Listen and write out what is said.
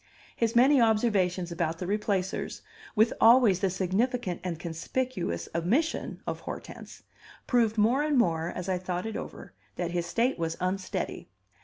His many observations about the Replacers, with always the significant and conspicuous omission of Hortense, proved more and more, as I thought it over, that his state was unsteady.